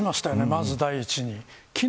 まず第一に。